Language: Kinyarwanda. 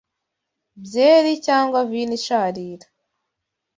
byeri, cyangwa vino isharira